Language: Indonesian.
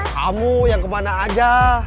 kamu yang kemana aja